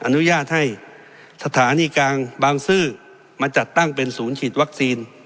อนุญาตให้สถานีกลางบางซื่อมาจัดตั้งเป็นศูนย์ฉีดวัคซีน